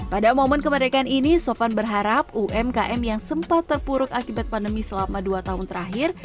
pada momen kemerdekaan ini sofan berharap umkm yang sempat terpuruk akibat pandemi selama dua tahun terakhir